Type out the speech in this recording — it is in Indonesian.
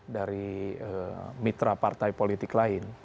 dari mitra partai politik lain